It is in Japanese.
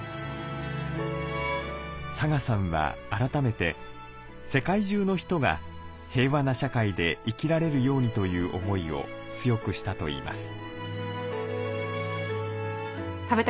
サガさんは改めて世界中の人が平和な社会で生きられるようにという思いを強くしたといいます。